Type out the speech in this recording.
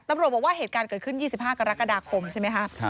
บอกว่าเหตุการณ์เกิดขึ้น๒๕กรกฎาคมใช่ไหมคะ